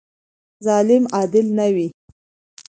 ظالم عادل نه وي.